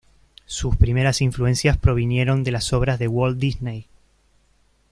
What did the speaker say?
Sus primeras influencias provinieron de las obras de Walt Disney.